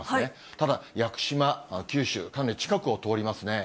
ただ、屋久島、九州、かなり近くを通りますね。